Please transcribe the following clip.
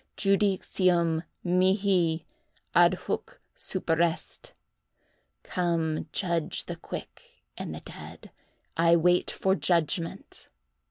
Judicium mihi adhuc superest._"—"Come, judge the quick and the dead! I wait for judgment."